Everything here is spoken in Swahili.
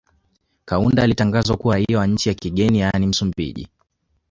Kaunda alitangazwa kuwa raia wa nchi ya kigeni yaani Msumbiji